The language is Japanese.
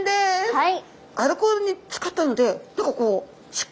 はい。